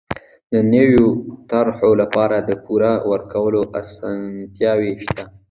د نويو طرحو لپاره د پور ورکولو اسانتیاوې شته.